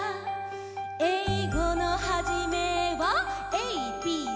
「えいごのはじめはＡＢＣ」